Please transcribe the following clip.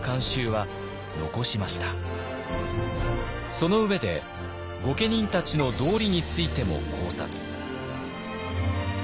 その上で御家人たちの「道理」についても考察。